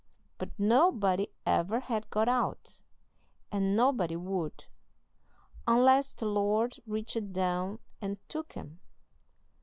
But nobody ever had got out, and nobody would, unless the Lord reached down and took 'em.